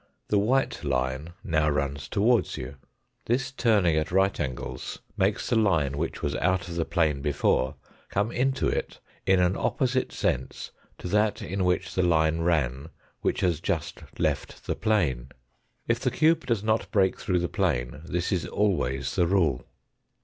The white line now runs towards you. This turning at right angles makes the line which was out of the plane before, come into it APPENDIX I 233 in an opposite sense to that in which the line ran which has just left the plane. If the cube does not break through the plane this is always the rule.